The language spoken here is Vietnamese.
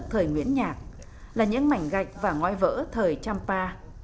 thời nguyễn nhạc là những mảnh gạch và ngoài vỡ thời champa